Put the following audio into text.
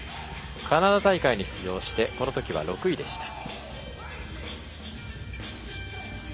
カナダ大会に出場してこの時は６位でした。